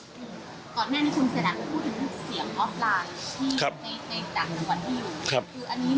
ก่อนแม่นี้คุณเสด็จพูดถึงเสียงออฟไลน์ในจังหวังที่อยู่